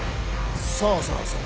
そうそうそう。